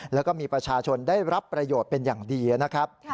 แล้วก็มีประชาชนได้รับประโยชน์เป็นอย่างดีนะครับ